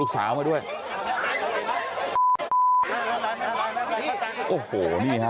กลับไปลองกลับ